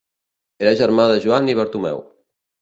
Era germà de Joan i Bartomeu.